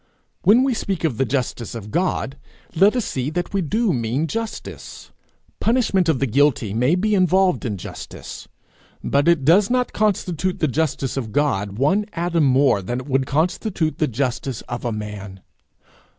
When we speak of the justice of God, let us see that we do mean justice! Punishment of the guilty may be involved in justice, but it does not constitute the justice of God one atom more than it would constitute the justice of a man.